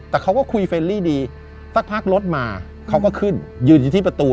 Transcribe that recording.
แต่เขาก็คุยเฟรลี่ดีสักพักรถมาเขาก็ขึ้นยืนอยู่ที่ประตู